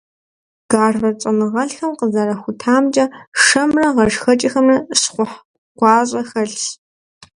Гарвард щӀэныгъэлӀхэм къызэрахутамкӀэ, шэмрэ гъэшхэкӀхэмрэ щхъухь гуащӀэ хэлъщ.